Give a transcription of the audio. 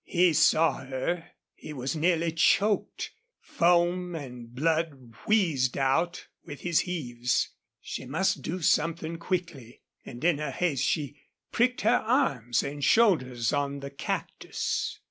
He saw her. He was nearly choked. Foam and blood wheezed out with his heaves. She must do something quickly. And in her haste she pricked her arms and shoulders on the cactus.